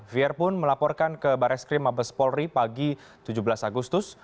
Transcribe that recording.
fier pun melaporkan ke baris krim mabes polri pagi tujuh belas agustus